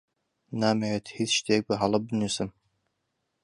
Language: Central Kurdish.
نامەوێت هیچ شتێک بەهەڵە بنووسم.